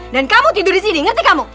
dan kamu tidur di sini ngerti kamu